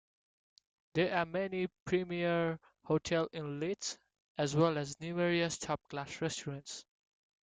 There are many premier hotels in Lech, as well as numerous top class restaurants.